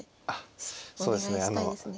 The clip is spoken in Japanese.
あっそうですね。